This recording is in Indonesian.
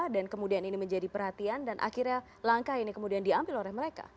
dan kemudian ini menjadi perhatian dan akhirnya langkah ini kemudian diambil oleh mereka